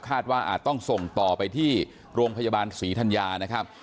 ว่าอาจต้องส่งต่อไปที่โรงพยาบาลศรีธัญญานะครับ